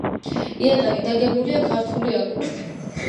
იატაკი დაგებულია ქართული აგურით.